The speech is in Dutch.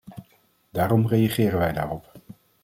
Daarom reageren wij daarop.